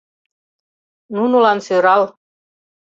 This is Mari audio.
Нунылан сӧрал.